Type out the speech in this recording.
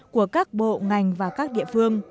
của các bộ ngành